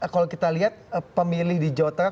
kalau kita lihat pemilih di jawa tengah